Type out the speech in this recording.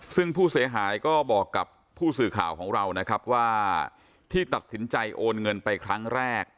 ซึ่งผู้เสียหายก็บอกกับผู้สื่อข่าวของเรานะครับว่าที่ตัดสินใจโอนเงินไปครั้งแรก